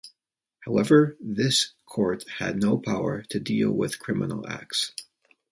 However this court had no power to deal with criminal acts.